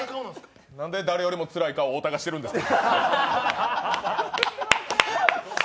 なんで誰よりもつらい顔を太田がしてるんですか。